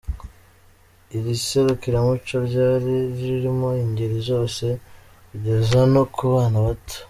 Iri serukiramuco ryari ririmo ingeri zose kugeza no ku bana bato.